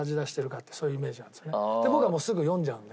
って僕はすぐ読んじゃうので。